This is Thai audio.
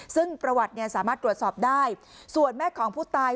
ซึ่งประวัติเนี่ยสามารถตรวจสอบได้ส่วนแม่ของผู้ตาย